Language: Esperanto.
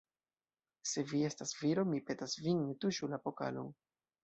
Se vi estas viro, Mi petas vin, ne tuŝu la pokalon!